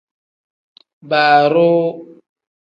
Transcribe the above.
Baaroo.